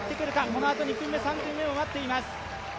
このあと２組目、３組目も待っています。